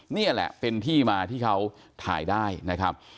นี่แหละเป็นที่มาที่เขาถ่ายได้นะครับ